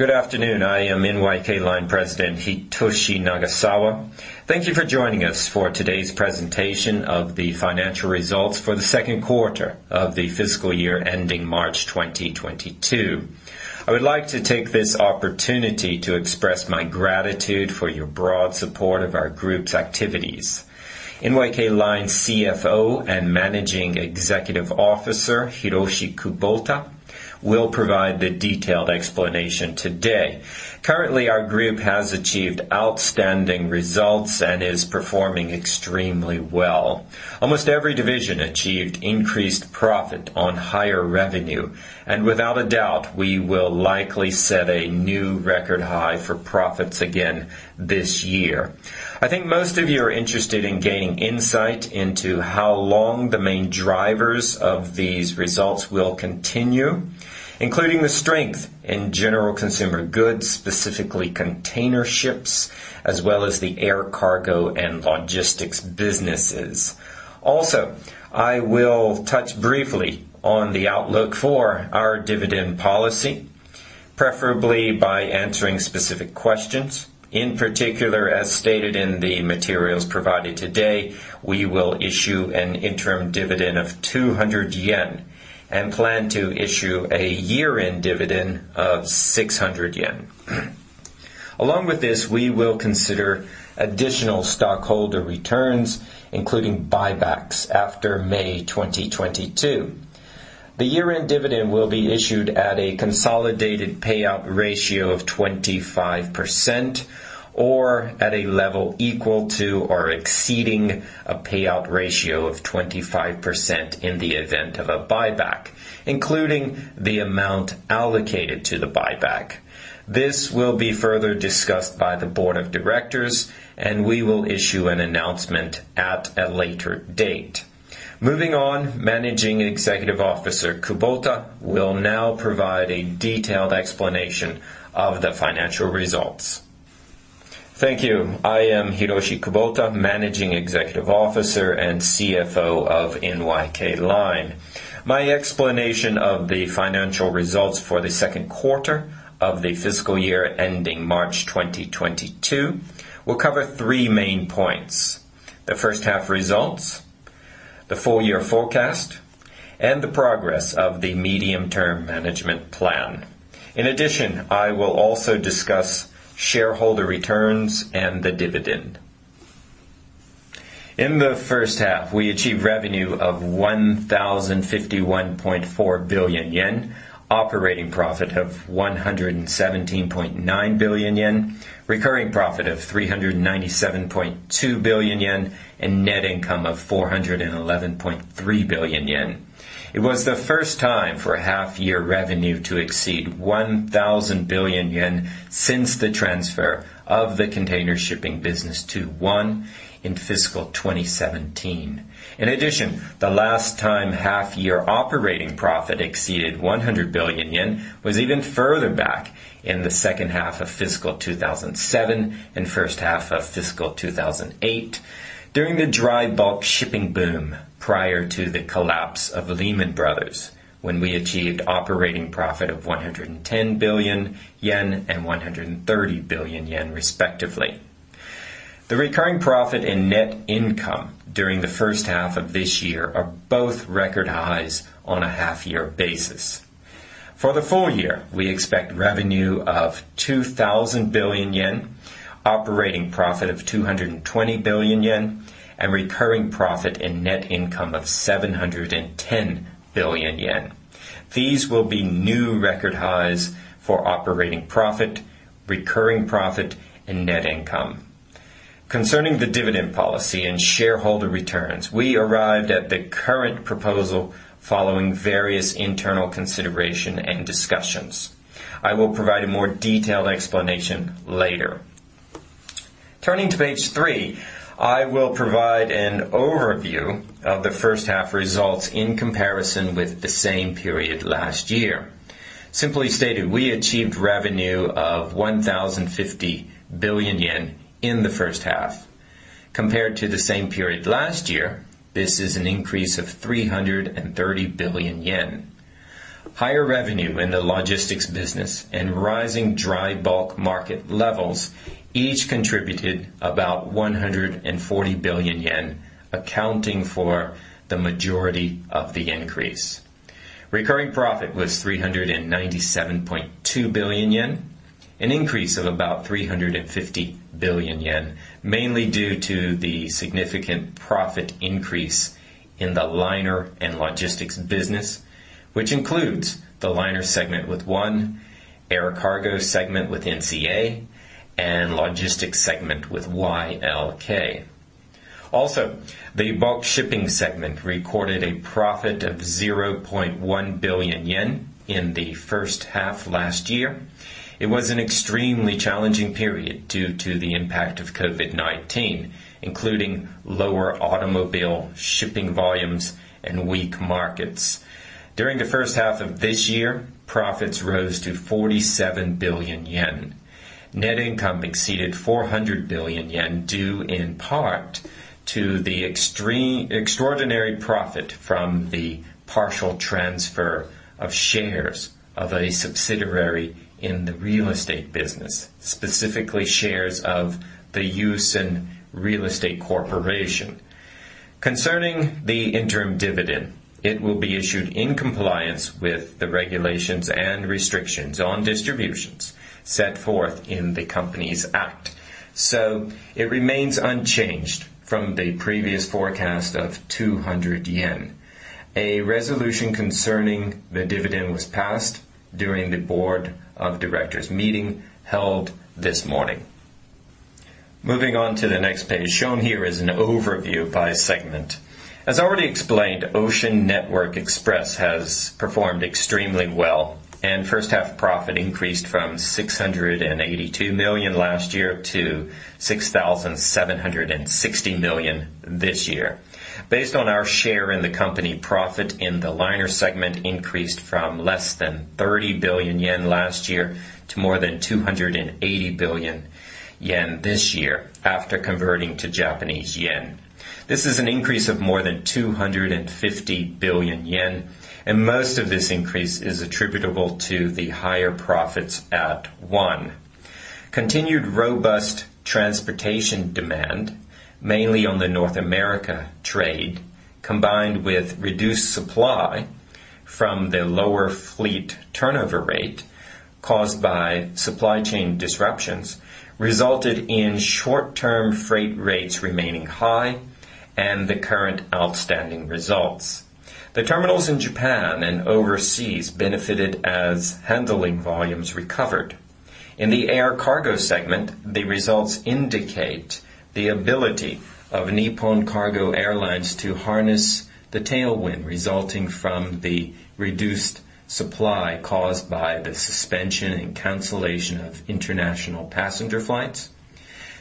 Good afternoon. I am NYK Line President Hitoshi Nagasawa. Thank you for joining us for today's presentation of the financial results for the second quarter of the fiscal year ending March 2022. I would like to take this opportunity to express my gratitude for your broad support of our group's activities. NYK Line CFO and Managing Executive Officer, Hiroshi Kubota, will provide the detailed explanation today. Currently, our group has achieved outstanding results and is performing extremely well. Almost every division achieved increased profit on higher revenue, and without a doubt, we will likely set a new record high for profits again this year. I think most of you are interested in gaining insight into how long the main drivers of these results will continue, including the strength in general consumer goods, specifically container ships, as well as the air cargo and logistics businesses. I will touch briefly on the outlook for our dividend policy, preferably by answering specific questions. In particular, as stated in the materials provided today, we will issue an interim dividend of 200 yen and plan to issue a year-end dividend of 600 yen. Along with this, we will consider additional stockholder returns, including buybacks after May 2022. The year-end dividend will be issued at a consolidated payout ratio of 25% or at a level equal to or exceeding a payout ratio of 25% in the event of a buyback, including the amount allocated to the buyback. This will be further discussed by the board of directors, and we will issue an announcement at a later date. Moving on, Managing Executive Officer Kubota will now provide a detailed explanation of the financial results. Thank you. I am Hiroshi Kubota, Managing Executive Officer and CFO of NYK Line. My explanation of the financial results for the second quarter of the fiscal year ending March 2022 will cover three main points. The first half results, the full year forecast, and the progress of the medium-term management plan. In addition, I will also discuss shareholder returns and the dividend. In the first half, we achieved revenue of 1,051.4 billion yen, operating profit of 117.9 billion yen, recurring profit of 397.2 billion yen, and net income of 411.3 billion yen. It was the first time for half-year revenue to exceed 1,000 billion yen since the transfer of the container shipping business to ONE in fiscal 2017. In addition, the last time half-year operating profit exceeded 100 billion yen was even further back in the second half of fiscal 2007 and first half of fiscal 2008 during the dry bulk shipping boom prior to the collapse of Lehman Brothers, when we achieved operating profit of 110 billion yen and 130 billion yen respectively. The recurring profit and net income during the first half of this year are both record highs on a half-year basis. For the full year, we expect revenue of 2,000 billion yen, operating profit of 220 billion yen, and recurring profit and net income of 710 billion yen. These will be new record highs for operating profit, recurring profit, and net income. Concerning the dividend policy and shareholder returns, we arrived at the current proposal following various internal considerations and discussions. I will provide a more detailed explanation later. Turning to page 3, I will provide an overview of the first half results in comparison with the same period last year. Simply stated, we achieved revenue of 1,050 billion yen in the first half. Compared to the same period last year, this is an increase of 330 billion yen. Higher revenue in the logistics business and rising dry bulk market levels each contributed about 140 billion yen, accounting for the majority of the increase. Recurring profit was 397.2 billion yen, an increase of about 350 billion yen, mainly due to the significant profit increase in the liner and logistics business, which includes the liner segment with ONE, air cargo segment with NCA, and logistics segment with YLK. Also, the bulk shipping segment recorded a profit of 0.1 billion yen in the first half last year. It was an extremely challenging period due to the impact of COVID-19, including lower automobile shipping volumes and weak markets. During the first half of this year, profits rose to 47 billion yen. Net income exceeded 400 billion yen, due in part to the extraordinary profit from the partial transfer of shares of a subsidiary in the real estate business, specifically shares of the Yusen Real Estate Corporation. Concerning the interim dividend, it will be issued in compliance with the regulations and restrictions on distributions set forth in the Companies Act, so it remains unchanged from the previous forecast of 200 yen. A resolution concerning the dividend was passed during the board of directors meeting held this morning. Moving on to the next page. Shown here is an overview by segment. As already explained, Ocean Network Express has performed extremely well, and first-half profit increased from $682 million last year to $6,760 million this year. Based on our share in the company, profit in the liner segment increased from less than 30 billion yen last year to more than 280 billion yen this year after converting to Japanese yen. This is an increase of more than 250 billion yen, and most of this increase is attributable to the higher profits at ONE. Continued robust transportation demand, mainly on the North America trade, combined with reduced supply from the lower fleet turnover rate caused by supply chain disruptions, resulted in short-term freight rates remaining high and the current outstanding results. The terminals in Japan and overseas benefited as handling volumes recovered. In the air cargo segment, the results indicate the ability of Nippon Cargo Airlines to harness the tailwind resulting from the reduced supply caused by the suspension and cancellation of international passenger flights,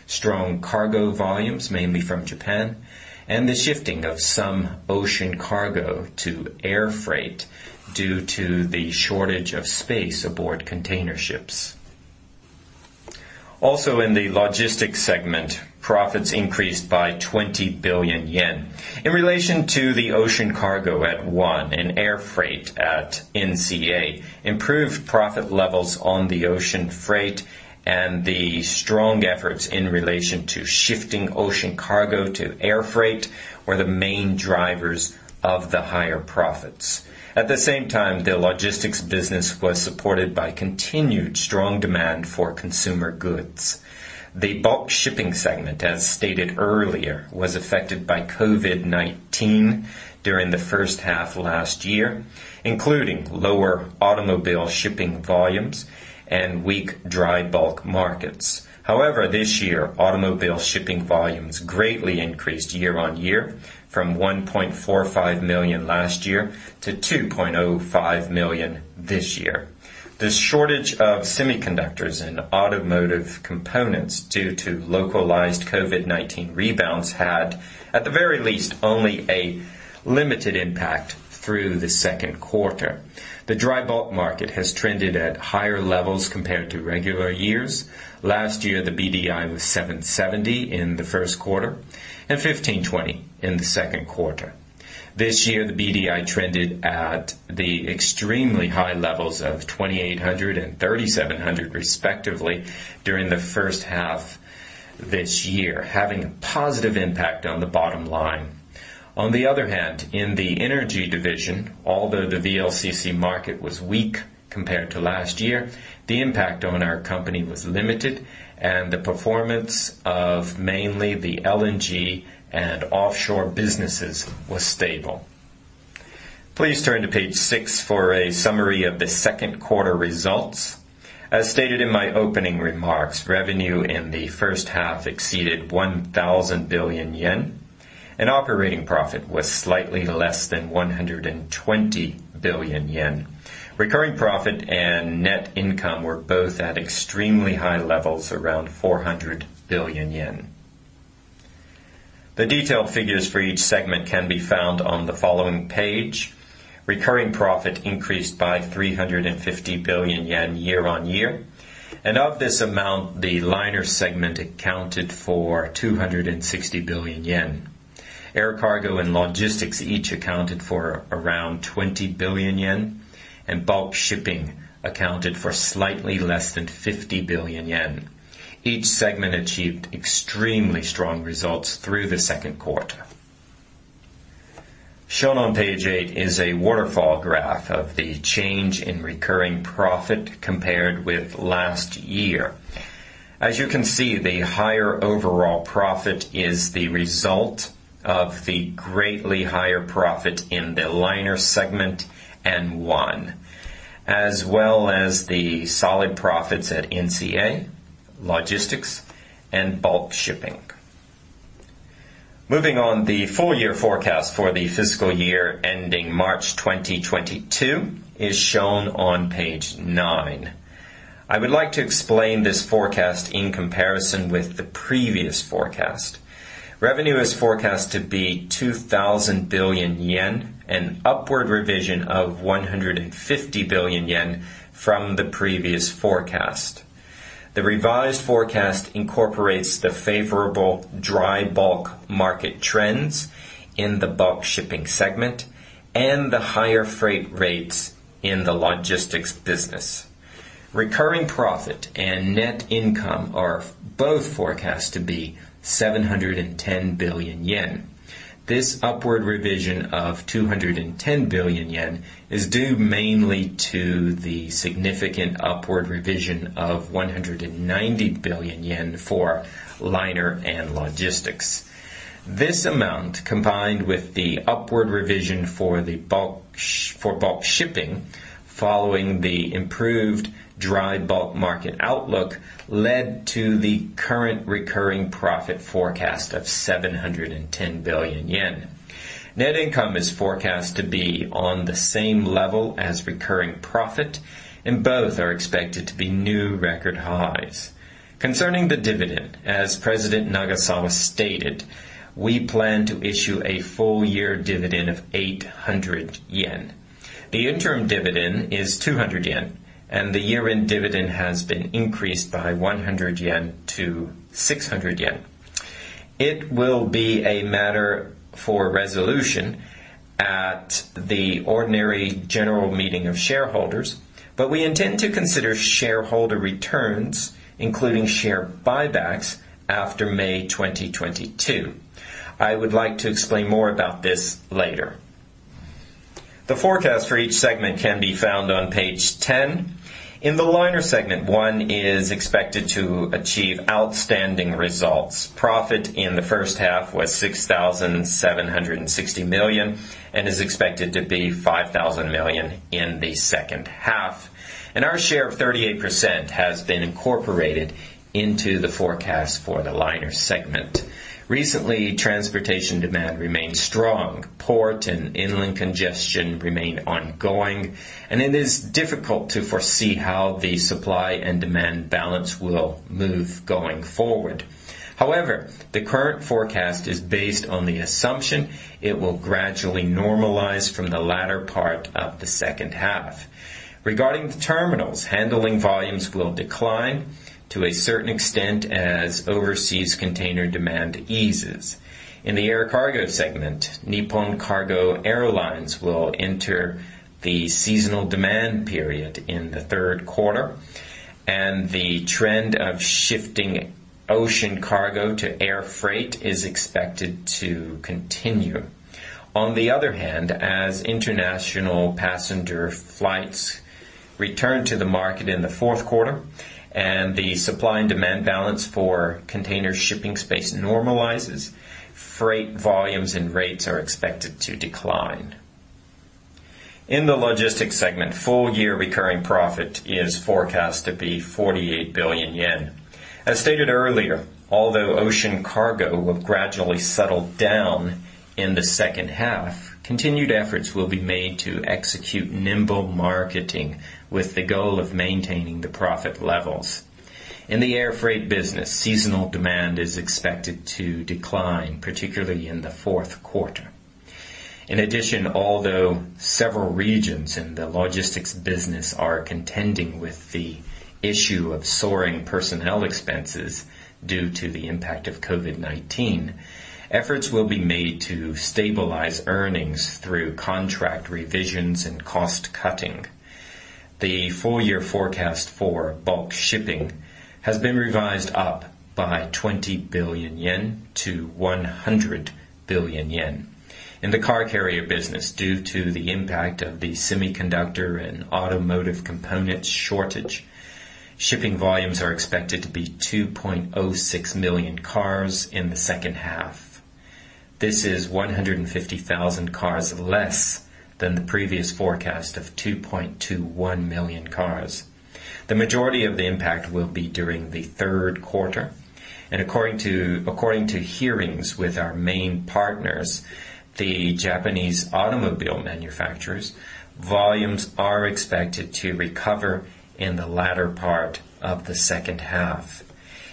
strong cargo volumes, mainly from Japan, and the shifting of some ocean cargo to air freight due to the shortage of space aboard container ships. Also in the logistics segment, profits increased by 20 billion yen. In relation to the ocean cargo at ONE and air freight at NCA, improved profit levels on the ocean freight and the strong efforts in relation to shifting ocean cargo to air freight were the main drivers of the higher profits. At the same time, the logistics business was supported by continued strong demand for consumer goods. The bulk shipping segment, as stated earlier, was affected by COVID-19 during the first half last year, including lower automobile shipping volumes and weak dry bulk markets. However, this year, automobile shipping volumes greatly increased year-on-year from 1.45 million last year to 2.05 million this year. The shortage of semiconductors and automotive components due to localized COVID-19 rebounds had, at the very least, only a limited impact through the second quarter. The dry bulk market has trended at higher levels compared to regular years. Last year, the BDI was 770 in the first quarter and 1,520 in the second quarter. This year, the BDI trended at the extremely high levels of 2,800 and 3,700 respectively during the first half this year, having a positive impact on the bottom line. On the other hand, in the energy division, although the VLCC market was weak compared to last year, the impact on our company was limited, and the performance of mainly the LNG and offshore businesses was stable. Please turn to page 6 for a summary of the second quarter results. As stated in my opening remarks, revenue in the first half exceeded 1,000 billion yen, and operating profit was slightly less than 120 billion yen. Recurring profit and net income were both at extremely high levels, around 400 billion yen. The detailed figures for each segment can be found on the following page. Recurring profit increased by 350 billion yen year-on-year, and of this amount, the Liner Segment accounted for 260 billion yen. Air Cargo and Logistics each accounted for around 20 billion yen, and Bulk Shipping accounted for slightly less than 50 billion yen. Each segment achieved extremely strong results through the second quarter. Shown on page 8 is a waterfall graph of the change in recurring profit compared with last year. As you can see, the higher overall profit is the result of the greatly higher profit in the Liner Segment and ONE, as well as the solid profits at NCA, Logistics, and Bulk Shipping. Moving on, the full year forecast for the fiscal year ending March 2022 is shown on page 9. I would like to explain this forecast in comparison with the previous forecast. Revenue is forecast to be 2,000 billion yen, an upward revision of 150 billion yen from the previous forecast. The revised forecast incorporates the favorable dry bulk market trends in the bulk shipping segment and the higher freight rates in the logistics business. Recurring profit and net income are both forecast to be 710 billion yen. This upward revision of 210 billion yen is due mainly to the significant upward revision of 190 billion yen for liner and logistics. This amount, combined with the upward revision for bulk shipping following the improved dry bulk market outlook, led to the current recurring profit forecast of 710 billion yen. Net income is forecast to be on the same level as recurring profit, and both are expected to be new record highs. Concerning the dividend, as President Hitoshi Nagasawa stated, we plan to issue a full year dividend of 800 yen. The interim dividend is 200 yen, and the year-end dividend has been increased by 100 yen to 600 yen. It will be a matter for resolution at the ordinary general meeting of shareholders, but we intend to consider shareholder returns, including share buybacks, after May 2022. I would like to explain more about this later. The forecast for each segment can be found on page 10. In the liner segment, ONE is expected to achieve outstanding results. Profit in the first half was $6,760 million and is expected to be $5,000 million in the second half, and our share of 38% has been incorporated into the forecast for the liner segment. Recently, transportation demand remains strong. Port and inland congestion remain ongoing, and it is difficult to foresee how the supply and demand balance will move going forward. However, the current forecast is based on the assumption it will gradually normalize from the latter part of the second half. Regarding the terminals, handling volumes will decline to a certain extent as overseas container demand eases. In the air cargo segment, Nippon Cargo Airlines will enter the seasonal demand period in the third quarter, and the trend of shifting ocean cargo to air freight is expected to continue. On the other hand, as international passenger flights return to the market in the fourth quarter and the supply and demand balance for container shipping space normalizes, freight volumes and rates are expected to decline. In the logistics segment, full year recurring profit is forecast to be 48 billion yen. As stated earlier, although ocean cargo will gradually settle down in the second half, continued efforts will be made to execute nimble marketing with the goal of maintaining the profit levels. In the air freight business, seasonal demand is expected to decline, particularly in the fourth quarter. In addition, although several regions in the logistics business are contending with the issue of soaring personnel expenses due to the impact of COVID-19, efforts will be made to stabilize earnings through contract revisions and cost cutting. The full year forecast for bulk shipping has been revised up by 20 billion yen to 100 billion yen. In the car carrier business, due to the impact of the semiconductor and automotive components shortage, shipping volumes are expected to be 2.06 million cars in the second half. This is 150,000 cars less than the previous forecast of 2.21 million cars. The majority of the impact will be during the third quarter, and according to hearings with our main partners, the Japanese automobile manufacturers, volumes are expected to recover in the latter part of the second half.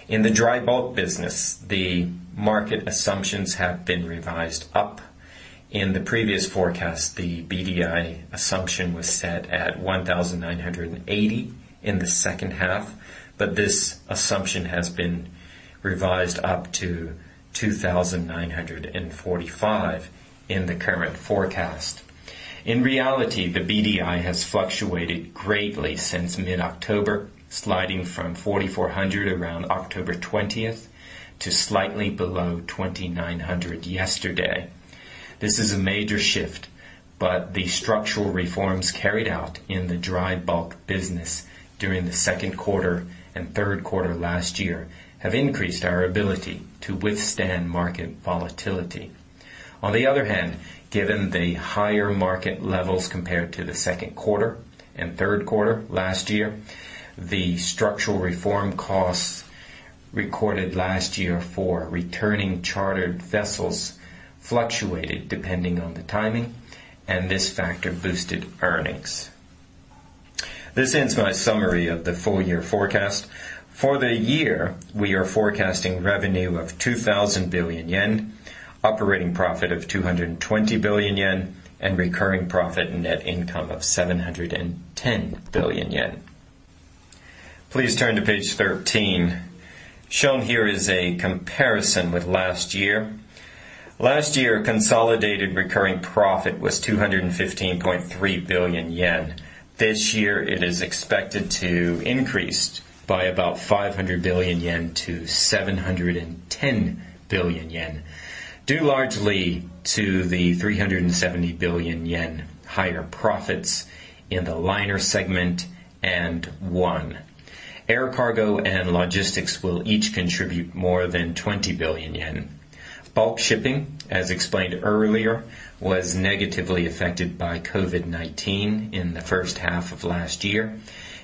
In the dry bulk business, the market assumptions have been revised up. In the previous forecast, the BDI assumption was set at 1,980 in the second half, but this assumption has been revised up to 2,945 in the current forecast. In reality, the BDI has fluctuated greatly since mid-October, sliding from 4,400 around October twentieth to slightly below 2,900 yesterday. This is a major shift, but the structural reforms carried out in the dry bulk business during the second quarter and third quarter last year have increased our ability to withstand market volatility. On the other hand, given the higher market levels compared to the second quarter and third quarter last year, the structural reform costs recorded last year for returning chartered vessels fluctuated depending on the timing, and this factor boosted earnings. This ends my summary of the full year forecast. For the year, we are forecasting revenue of 2,000 billion yen, operating profit of 220 billion yen, and recurring profit net income of 710 billion yen. Please turn to page 13. Shown here is a comparison with last year. Last year, consolidated recurring profit was 215.3 billion yen. This year it is expected to increase by about 500 billion yen to 710 billion yen, due largely to the 370 billion yen higher profits in the liner segment and ONE. Air cargo and logistics will each contribute more than 20 billion yen. Bulk shipping, as explained earlier, was negatively affected by COVID-19 in the first half of last year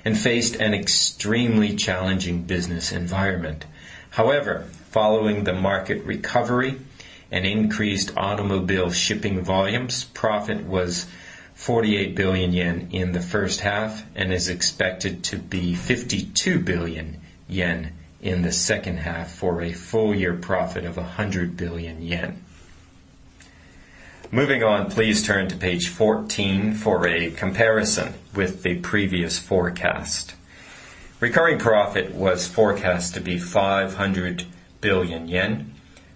and faced an extremely challenging business environment. However, following the market recovery and increased automobile shipping volumes, profit was 48 billion yen in the first half and is expected to be 52 billion yen in the second half for a full year profit of 100 billion yen. Moving on, please turn to page 14 for a comparison with the previous forecast. Recurring profit was forecast to be 500 billion yen,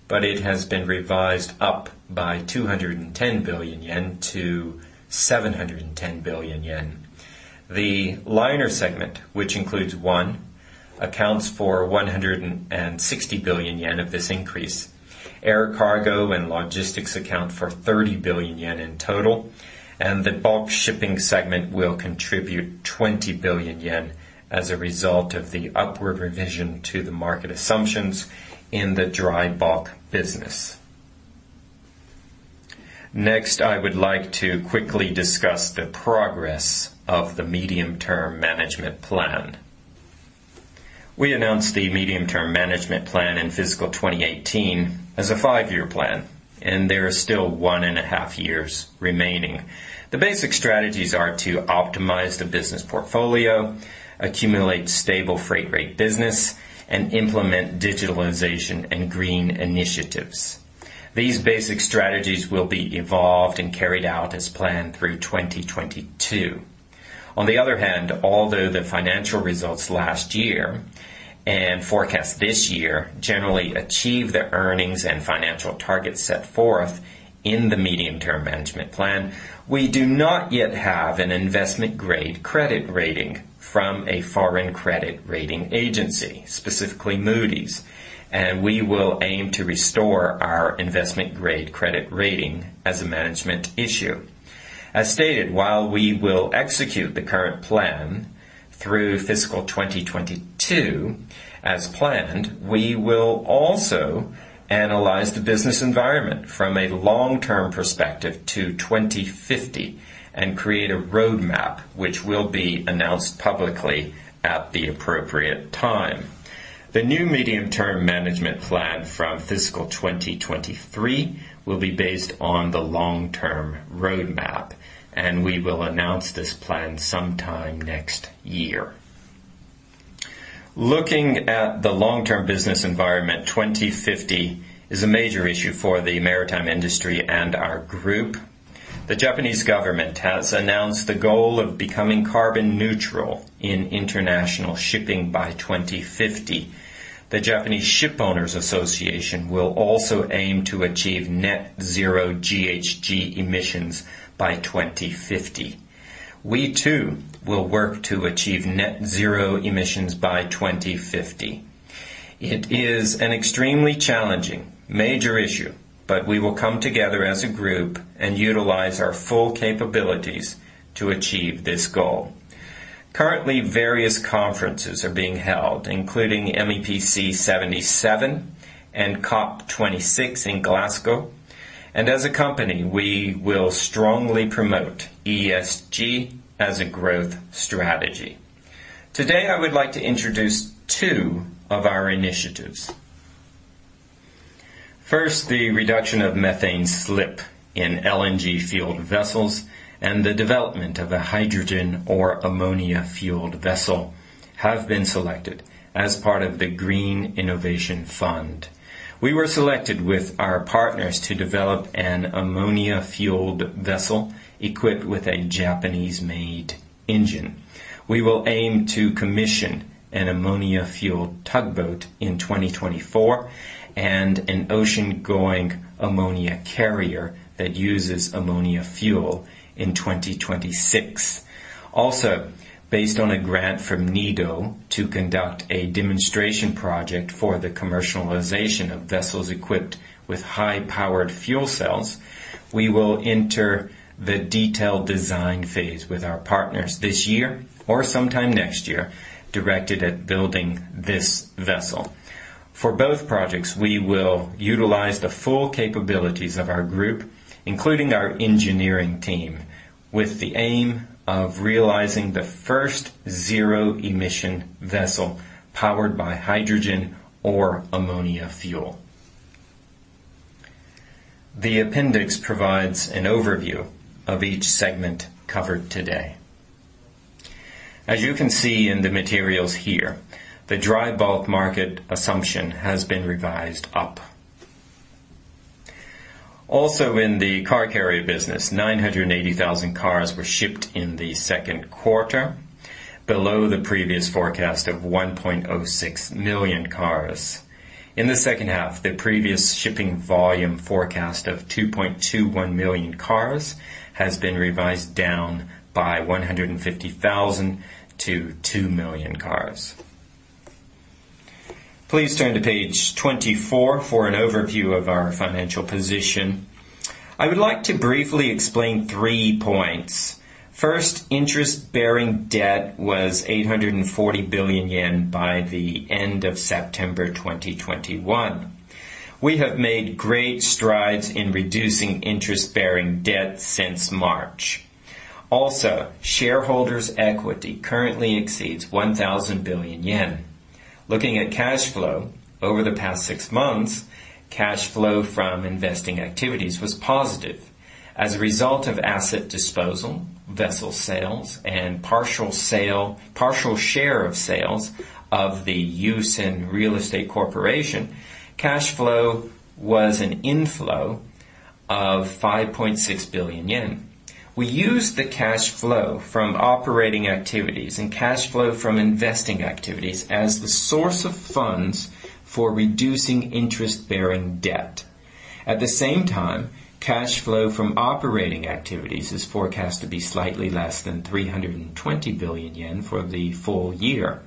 but it has been revised up by 210 billion yen to 710 billion yen. The liner segment, which includes ONE, accounts for 160 billion yen of this increase. Air cargo and logistics account for 30 billion yen in total, and the bulk shipping segment will contribute 20 billion yen as a result of the upward revision to the market assumptions in the dry bulk business. Next, I would like to quickly discuss the progress of the medium-term management plan. We announced the medium-term management plan in fiscal 2018 as a five-year plan, and there are still 1.5 years remaining. The basic strategies are to optimize the business portfolio, accumulate stable freight rate business, and implement digitalization and green initiatives. These basic strategies will be evolved and carried out as planned through 2022. On the other hand, although the financial results last year and forecast this year generally achieve the earnings and financial targets set forth in the medium-term management plan, we do not yet have an investment-grade credit rating from a foreign credit rating agency, specifically Moody's, and we will aim to restore our investment-grade credit rating as a management issue. As stated, while we will execute the current plan through fiscal 2022 as planned, we will also analyze the business environment from a long-term perspective to 2050 and create a roadmap which will be announced publicly at the appropriate time. The new medium-term management plan from fiscal 2023 will be based on the long-term roadmap, and we will announce this plan sometime next year. Looking at the long-term business environment, 2050 is a major issue for the maritime industry and our group. The Japanese government has announced the goal of becoming carbon neutral in international shipping by 2050. The Japanese Shipowners' Association will also aim to achieve net zero GHG emissions by 2050. We, too, will work to achieve net zero emissions by 2050. It is an extremely challenging major issue, but we will come together as a group and utilize our full capabilities to achieve this goal. Currently, various conferences are being held, including MEPC 77 and COP26 in Glasgow, and as a company, we will strongly promote ESG as a growth strategy. Today, I would like to introduce two of our initiatives. First, the reduction of methane slip in LNG-fueled vessels and the development of a hydrogen or ammonia-fueled vessel have been selected as part of the Green Innovation Fund. We were selected with our partners to develop an ammonia-fueled vessel equipped with a Japanese-made engine. We will aim to commission an ammonia-fueled tugboat in 2024 and an ocean-going ammonia carrier that uses ammonia fuel in 2026. Also, based on a grant from NEDO to conduct a demonstration project for the commercialization of vessels equipped with high-powered fuel cells. We will enter the detailed design phase with our partners this year or sometime next year, directed at building this vessel. For both projects, we will utilize the full capabilities of our group, including our engineering team, with the aim of realizing the first zero emission vessel powered by hydrogen or ammonia fuel. The appendix provides an overview of each segment covered today. As you can see in the materials here, the dry bulk market assumption has been revised up. Also in the car carrier business, 980,000 cars were shipped in the second quarter, below the previous forecast of 1.06 million cars. In the second half, the previous shipping volume forecast of 2.21 million cars has been revised down by 150,000 to 2 million cars. Please turn to page 24 for an overview of our financial position. I would like to briefly explain three points. First, interest-bearing debt was 840 billion yen by the end of September 2021. We have made great strides in reducing interest-bearing debt since March. Shareholders' equity currently exceeds 1,000 billion yen. Looking at cash flow over the past six months, cash flow from investing activities was positive. As a result of asset disposal, vessel sales, and partial share sale of Yusen Real Estate Corporation, cash flow was an inflow of 5.6 billion yen. We used the cash flow from operating activities and cash flow from investing activities as the source of funds for reducing interest-bearing debt. At the same time, cash flow from operating activities is forecast to be slightly less than 320 billion yen for the full year.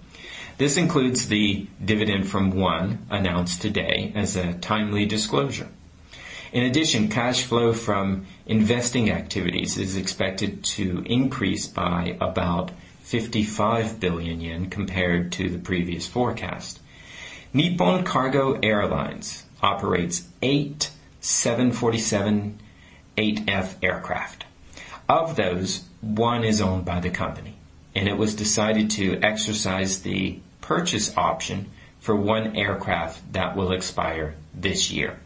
This includes the dividend from ONE announced today as a timely disclosure. In addition, cash flow from investing activities is expected to increase by about 55 billion yen compared to the previous forecast. Nippon Cargo Airlines operates 8 747-8F aircraft. Of those, 1 is owned by the company, and it was decided to exercise the purchase option for 1 aircraft that will expire this year.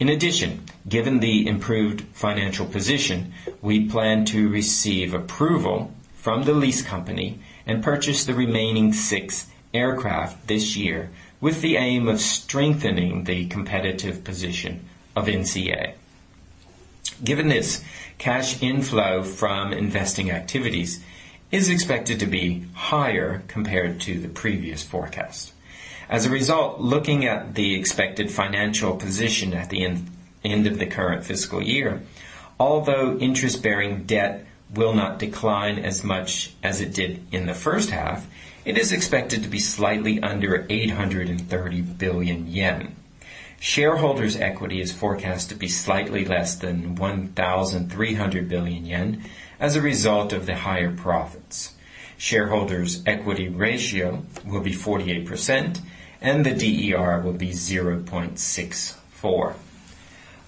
In addition, given the improved financial position, we plan to receive approval from the lease company and purchase the remaining 6 aircraft this year, with the aim of strengthening the competitive position of NCA. Given this, cash inflow from investing activities is expected to be higher compared to the previous forecast. As a result, looking at the expected financial position at the end of the current fiscal year, although interest bearing debt will not decline as much as it did in the first half, it is expected to be slightly under 830 billion yen. Shareholders' equity is forecast to be slightly less than 1,300 billion yen as a result of the higher profits. Shareholders' equity ratio will be 48% and the DER will be 0.64.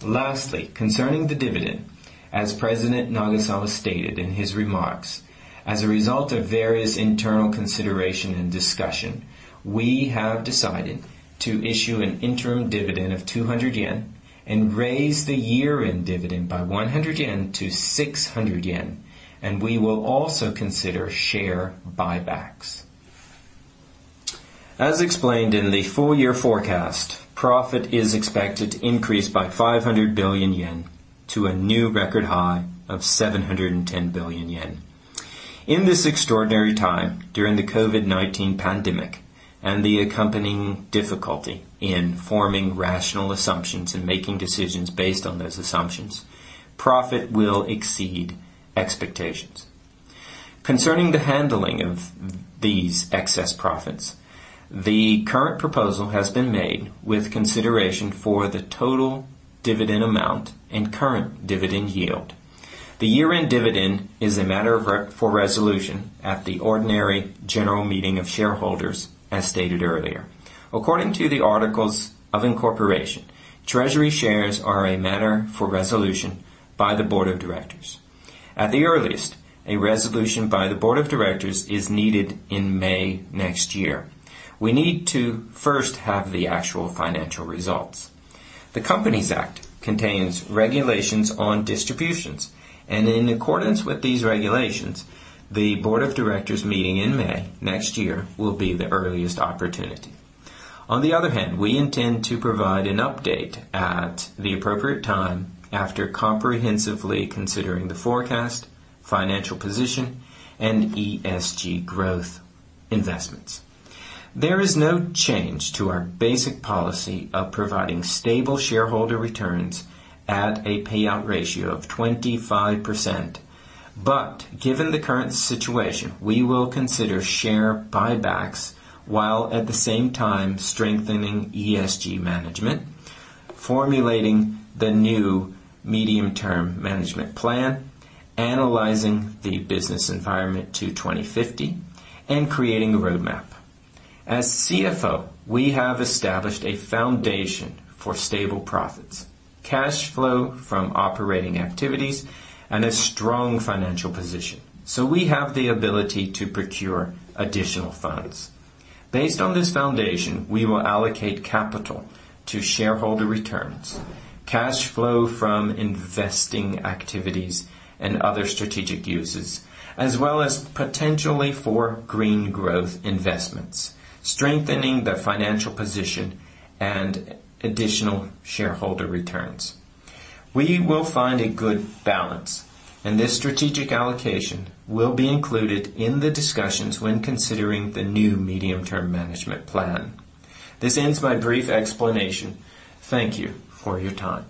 Lastly, concerning the dividend, as President Nagasawa stated in his remarks, as a result of various internal considerations and discussion, we have decided to issue an interim dividend of 200 yen and raise the year-end dividend by 100 yen to 600 yen, and we will also consider share buybacks. As explained in the full year forecast, profit is expected to increase by 500 billion yen to a new record high of 710 billion yen. In this extraordinary time during the COVID-19 pandemic and the accompanying difficulty in forming rational assumptions and making decisions based on those assumptions, profit will exceed expectations. Concerning the handling of these excess profits, the current proposal has been made with consideration for the total dividend amount and current dividend yield. The year-end dividend is a matter for resolution at the ordinary general meeting of shareholders, as stated earlier. According to the articles of incorporation, treasury shares are a matter for resolution by the board of directors. At the earliest, a resolution by the board of directors is needed in May next year. We need to first have the actual financial results. The Companies Act contains regulations on distributions, and in accordance with these regulations, the board of directors meeting in May next year will be the earliest opportunity. On the other hand, we intend to provide an update at the appropriate time after comprehensively considering the forecast, financial position, and ESG growth investments. There is no change to our basic policy of providing stable shareholder returns at a payout ratio of 25%. Given the current situation, we will consider share buybacks while at the same time strengthening ESG management, formulating the new medium-term management plan, analyzing the business environment to 2050, and creating a roadmap. As CFO, we have established a foundation for stable profits, cash flow from operating activities, and a strong financial position, so we have the ability to procure additional funds. Based on this foundation, we will allocate capital to shareholder returns, cash flow from investing activities, and other strategic uses, as well as potentially for green growth investments, strengthening the financial position and additional shareholder returns. We will find a good balance, and this strategic allocation will be included in the discussions when considering the new medium-term management plan. This ends my brief explanation. Thank you for your time.